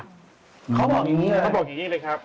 เขาบอกอย่างนี้เลยครับ